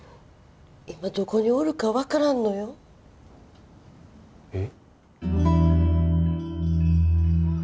今どこにおるか分からんのよえッ？